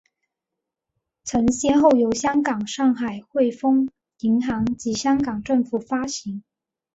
曾先后由香港上海汇丰银行及香港政府发行。